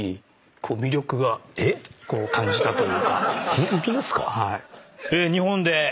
ホントですか？